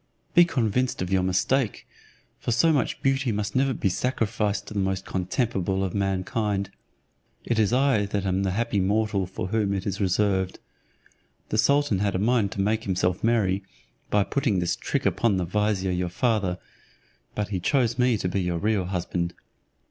Be convinced of your mistake, for so much beauty must never be sacrificed to the most contemptible of mankind. It is I that am the happy mortal for whom it is reserved. The sultan had a mind to make himself merry, by putting this trick upon the vizier your father, but he chose me to be your real husband.